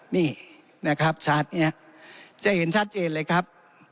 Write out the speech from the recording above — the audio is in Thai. นี่นะครับชาร์จเนี่ยจะเห็นชัดเจนเลยครับ